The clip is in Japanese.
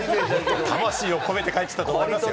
魂を込めて描いてたと思いますよ。